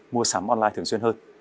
mua sắm online thường xuyên hơn